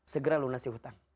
segera lunasi hutang